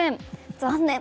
残念。